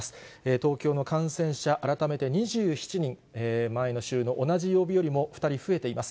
東京の感染者、改めて２７人、前の週の同じ曜日よりも２人増えています。